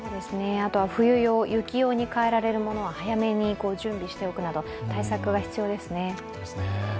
冬用、雪用に変えられるものは早めに準備しておくなど対策が必要ですね。